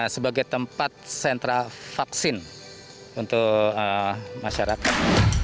sebagai tempat sentra vaksin untuk masyarakat